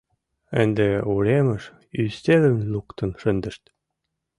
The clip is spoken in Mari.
Ынде уремыш ӱстелым луктын шындышт.